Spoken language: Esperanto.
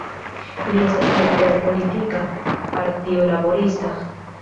Li estas membro de politika partio laborista.